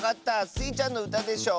スイちゃんのうたでしょ。